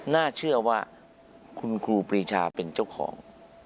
น่าเชื่อว่าคุณครูปรีชาเป็นเจ้าของ